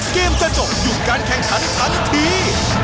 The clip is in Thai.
เกมจะจบอยู่การแข่งขำธนัยฝันที่